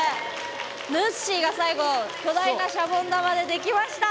ぬっしーが最後巨大なシャボン玉でできました。